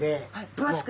分厚く。